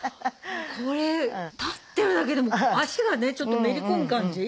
これ立ってるだけでも足がちょっとめり込む感じ。